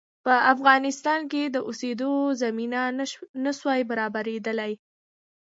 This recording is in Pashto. په افغانستان کې د اوسېدلو زمینه نه سوای برابرېدلای.